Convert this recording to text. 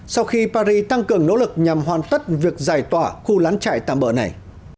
sau khi paris tăng cường nỗ lực nhằm hoàn tất việc giải tỏa khu lán trại tạm bờ này